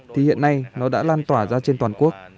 thì hiện nay nó đã lan tỏa ra trên toàn quốc